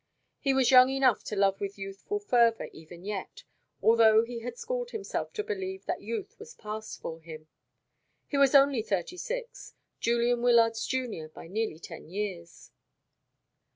He was young enough to love with youthful fervour even yet, although he had schooled himself to believe that youth was past for him. He was only thirty six; Julian Wyllard's junior by nearly ten years.